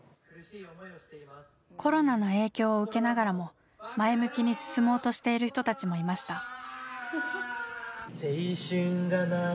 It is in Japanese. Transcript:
コロナの影響を受けながらも前向きに進もうとしている人たちもいました。